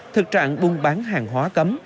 thực trạng buôn bán hàng hóa cấm